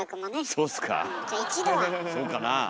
そうかなあ？